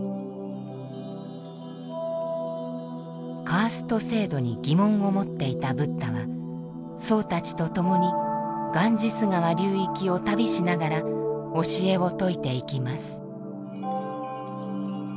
カースト制度に疑問を持っていたブッダは僧たちと共にガンジス川流域を旅しながら教えを説いていきます。